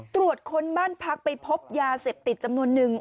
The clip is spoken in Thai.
ตรวจค้นบ้านพักไปพบยาเสพติดจำนวนนึง